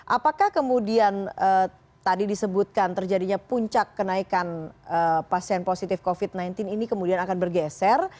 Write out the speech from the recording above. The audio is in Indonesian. apakah kemudian tadi disebutkan terjadinya puncak kenaikan pasien positif covid sembilan belas ini kemudian akan bergeser